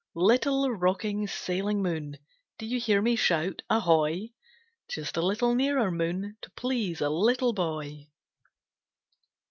Little rocking, sailing moon, Do you hear me shout Ahoy! Just a little nearer, moon, To please a little boy.